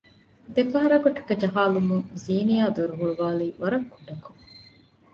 ދެފަހަރަކު ޓަކި ޖަހާލުމުން ޒީނިޔާ ދޮރުހުޅުވާލީ ވަރަށް ކުޑަކޮން